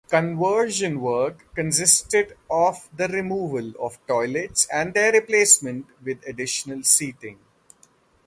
Conversion work consisted of the removal of toilets and their replacement with additional seating.